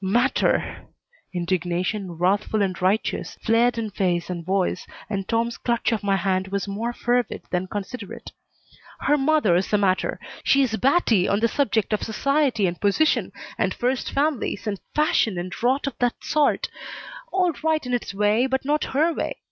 "Matter!" Indignation, wrathful and righteous, flared in face and voice, and Tom's clutch of my hand was more fervid than considerate. "Her mother's the matter. She's batty on the subject of society and position, and first families, and fashion, and rot of that sort all right in its way, but not her way.